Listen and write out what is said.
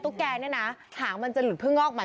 มาในเมืองน้ำ